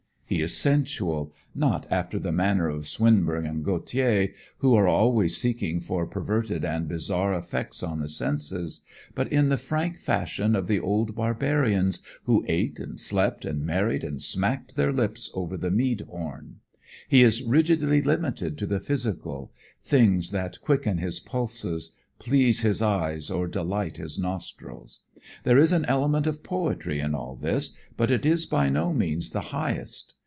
He is sensual, not after the manner of Swinbourne and Gautier, who are always seeking for perverted and bizarre effects on the senses, but in the frank fashion of the old barbarians who ate and slept and married and smacked their lips over the mead horn. He is rigidly limited to the physical, things that quicken his pulses, please his eyes or delight his nostrils. There is an element of poetry in all this, but it is by no means the highest.